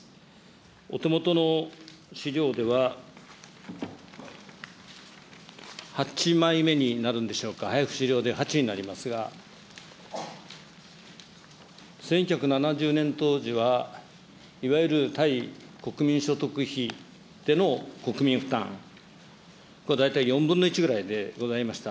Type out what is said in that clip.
お手元の資料では、８枚目になるんでしょうか、配布資料で８になりますが、１９７０年当時は、いわゆる対国民所得比での国民負担、これ大体４分の１ぐらいでございました。